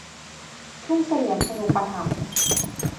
ทุ่งเสลี่ยมชนูปถัมภ์